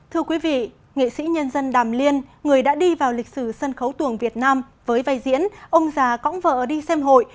thưa quý vị nghệ sĩ nhân dân đàm liên người đã đi vào lịch sử sân khấu tuồng việt nam với vai diễn ông già cõng vợ đi xem hội